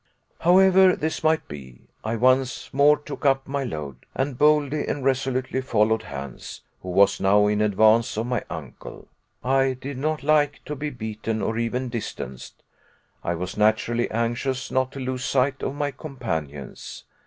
However this might be, I once more took up my load, and boldly and resolutely followed Hans, who was now in advance of my uncle. I did not like to be beaten or even distanced. I was naturally anxious not to lose sight of my companions.